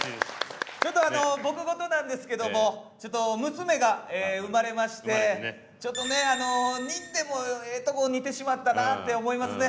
ちょっと僕事なんですけども娘が生まれましてちょっとね似んでもええとこ似てしまったなって思いますね。